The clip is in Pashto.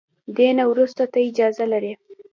دې نه وروسته ته اجازه لري.